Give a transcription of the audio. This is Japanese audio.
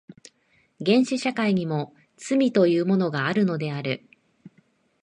原始社会にも罪というものがあるのである。